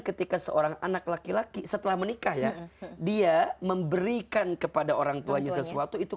ketika seorang anak laki laki setelah menikah ya dia memberikan kepada orang tuanya sesuatu itu